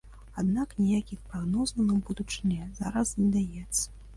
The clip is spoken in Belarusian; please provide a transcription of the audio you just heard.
Аднак ніякіх прагнозаў на будучыню зараз не даецца.